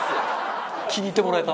中丸：気に入ってもらえた。